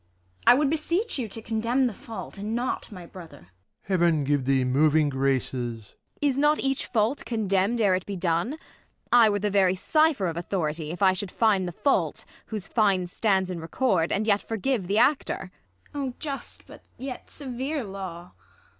I would beseech you to condemn the fault, and not My brother. Prov. Heaven give thee moving graces ! Ang. Is not each fault condemn'd ere it be done 1 I were the very cipher of authority. If I should fine the fault, whose fine stands in Record, and yet forgive the actor. IsAB. Oh just but yet severe law